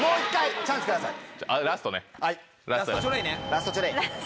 ラストチョレイ。